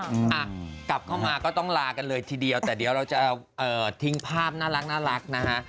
อ่ะกลับเข้ามาก็ต้องลากันเลยทีเดียวแต่เดี๋ยวเราจะเอ่อทิ้งภาพน่ารักนะฮะ